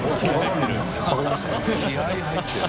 気合入ってる」？